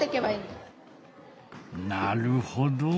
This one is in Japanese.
なるほど。